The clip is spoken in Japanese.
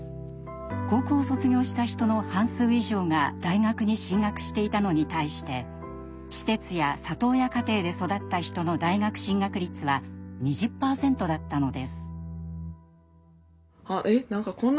高校を卒業した人の半数以上が大学に進学していたのに対して施設や里親家庭で育った人の大学進学率は２０％だったのです。